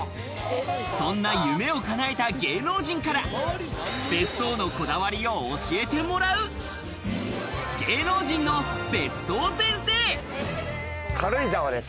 そんな夢をかなえた芸能人から別荘のこだわりを教えてもらう、軽井沢です。